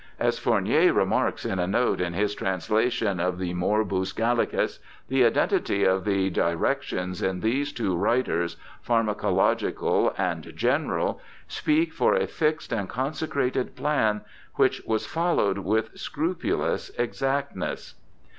As Fournier remarks in a note in his translation of the Morbus Ga/h'cus, the identity of the directions in these two WTiters, pharmacological and general, speak for a fixed FRACASTORIUS 293 and consecrated plan which was followed with scrupu lous exactness.